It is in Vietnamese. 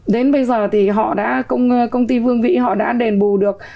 đến bây giờ thì họ đã công ty vương vị họ đã đền bù được